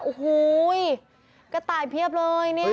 โอ้โหกระต่ายเพียบเลยเนี่ย